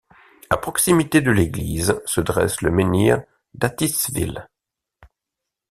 À proximité de l'église se dresse le menhir d'Attiswil.